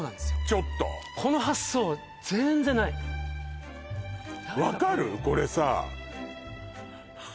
ちょっとこの発想全然ない分かる？